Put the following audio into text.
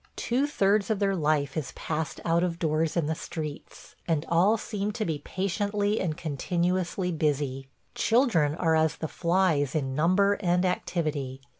Two thirds of their life is passed out of doors in the streets, and all seem to be patiently and continuously busy. Children are as the flies in number and activity.